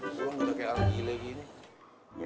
pulang udah kaya lagi lagi